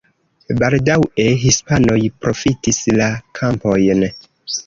Baldaŭe hispanoj profitis la kampojn.